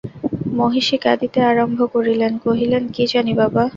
মহিষী কাঁদিতে আরম্ভ করিলেন, কহিলেন, কী জানি বাবা।